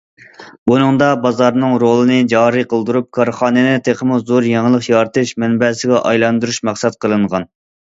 بۇنىڭدا بازارنىڭ رولىنى جارى قىلدۇرۇپ، كارخانىنى تېخىمۇ زور يېڭىلىق يارىتىش مەنبەسىگە ئايلاندۇرۇش مەقسەت قىلىنغان.